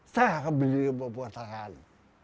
saya akan beli perpustakaan